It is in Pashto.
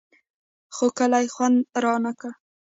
خو کلي خوند رانه کړ.